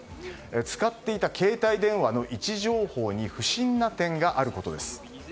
使っていた携帯電話の位置情報に不審な点があることです。